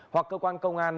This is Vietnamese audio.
hoặc cơ quan công an